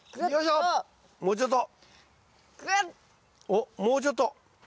おっもうちょっと。